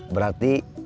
berarti kan enggak bisa